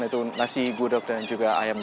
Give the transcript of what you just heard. yaitu nasi gudok dan juga ayam gudok